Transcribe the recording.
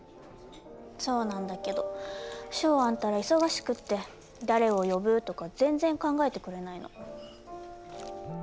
そうなんだけどショウアンったら忙しくって誰を呼ぶとか全然考えてくれないの。